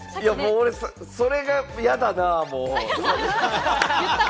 俺、それがやだなー、もう。